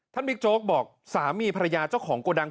บิ๊กโจ๊กบอกสามีภรรยาเจ้าของโกดัง